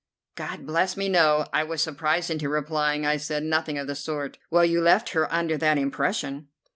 "God bless me, no!" I was surprised into replying. "I said nothing of the sort." "Well, you left her under that impression."